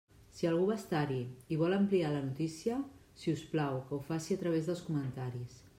Si algú va estar-hi i vol ampliar la notícia, si us plau que ho faci a través dels comentaris.